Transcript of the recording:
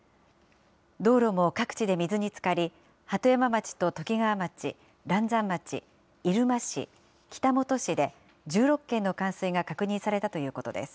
道路も各地で水につかり、鳩山町とときがわ町、嵐山町、入間市、北本市で、１６件の冠水が確認されたということです。